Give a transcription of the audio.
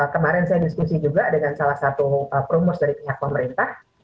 kemarin saya diskusi juga dengan salah satu promos dari pihak pemerintah